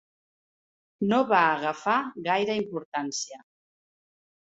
No va agafar gaire importància.